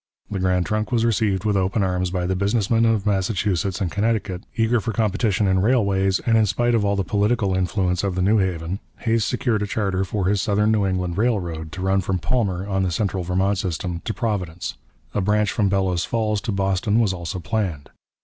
The Grand Trunk was received with open arms by the business men of Massachusetts and Connecticut, eager for competition in railways, and in spite of all the political influence of the New Haven, Hays secured a charter for his Southern New England Railroad, to run from Palmer, on the Central Vermont system, to Providence; a branch from Bellows Falls to Boston was also planned.